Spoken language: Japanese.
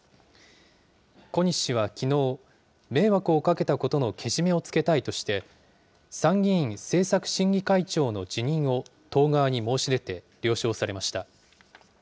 小西氏はきのう、迷惑をかけたことのけじめをつけたいとして、参議院政策審議会長の辞任を党側に申し出て、了承されました。